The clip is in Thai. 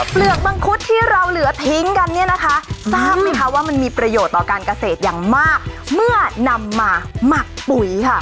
เปลือกมังคุดที่เราเหลือทิ้งกันเนี่ยนะคะทราบไหมคะว่ามันมีประโยชน์ต่อการเกษตรอย่างมากเมื่อนำมาหมักปุ๋ยค่ะ